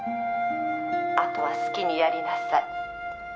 「あとは好きにやりなさい」